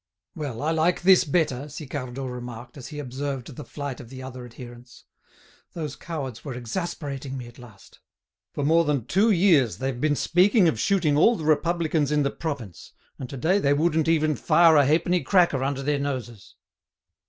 "Well, I like this better," Sicardot remarked, as he observed the flight of the other adherents. "Those cowards were exasperating me at last. For more than two years they've been speaking of shooting all the Republicans in the province, and to day they wouldn't even fire a halfpenny cracker under their noses."